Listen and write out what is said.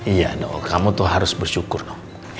iya no kamu tuh harus bersyukur no